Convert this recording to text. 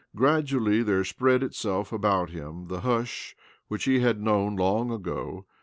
Gradually there spread itself about him the hush which he had known long ago.